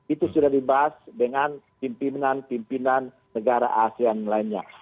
itu sudah dibahas dengan pimpinan pimpinan negara asean lainnya